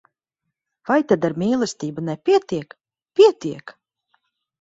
Vai tad ar mīlestību nepietiek? Pietiek!